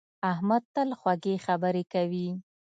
احمد تل خوږې خبرې کوي.